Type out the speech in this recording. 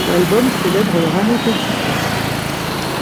L'album célèbre leur année d'existence.